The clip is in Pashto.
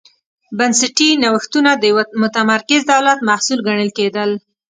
بنسټي نوښتونه د یوه متمرکز دولت محصول ګڼل کېدل.